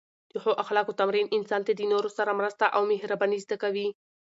د ښو اخلاقو تمرین انسان ته د نورو سره مرسته او مهرباني زده کوي.